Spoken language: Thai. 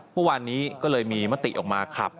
เมื่อวานนี้ก็เลยมีมติออกมาขับ